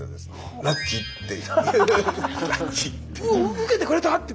受けてくれたって。